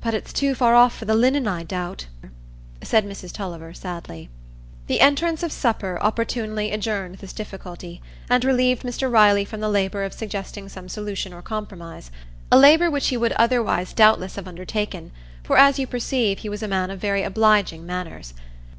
"But it's too far off for the linen, I doubt," said Mrs Tulliver, sadly. The entrance of supper opportunely adjourned this difficulty, and relieved Mr Riley from the labour of suggesting some solution or compromise,—a labour which he would otherwise doubtless have undertaken; for, as you perceive, he was a man of very obliging manners.